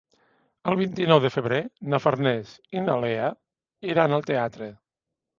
El vint-i-nou de febrer na Farners i na Lea iran al teatre.